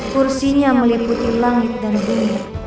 kursinya meliputi langit dan bunyi